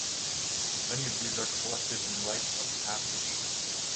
Many of these are collected in Rites of Passage.